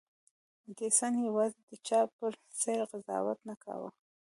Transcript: ايډېسن يوازې د چا په څېره قضاوت نه کاوه.